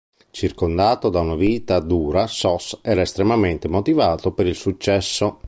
Circondato da una vita dura, Sos era estremamente motivato per il successo.